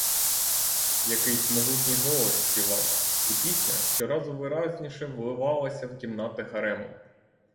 Якийсь могутній голос співав, і пісня щораз виразніше вливалася в кімнати гарему.